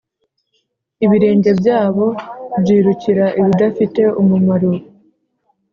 ibirenge byabo byirukira ibidafite umumaro.